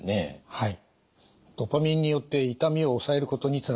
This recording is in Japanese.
はい。